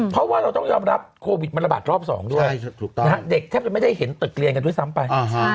เพราะว่าเราต้องยอมรับโควิดมันระบาดรอบ๒ด้วยเด็กแทบจะไม่ได้เห็นตึกเรียนกันด้วยซ้ำไป